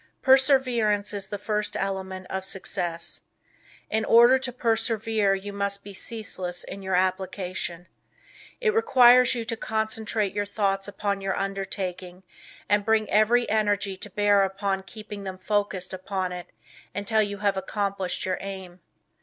Perseverance is the first element of success. In order to persevere you must be ceaseless in your application. It requires you to concentrate your thoughts upon your undertaking and bring every energy to bear upon keeping them focused upon it until you have accomplished your aim.